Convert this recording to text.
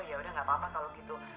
ya udah gak apa apa kalau gitu